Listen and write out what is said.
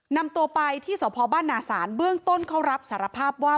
นำตัวไปที่สพบ้านนาศาลเบื้องต้นเขารับสารภาพว่า